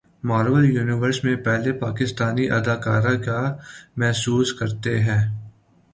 marvel Universe میں پہلے پاکستانی اداکار کیا محسوس کرتے ہیں